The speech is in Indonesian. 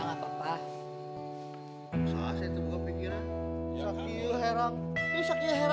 mau main apa nggak kalau mau main ya udah